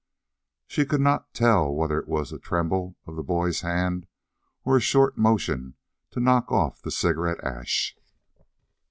She could not tell whether it was a tremble of the boy's hand or a short motion to knock off the cigarette ash.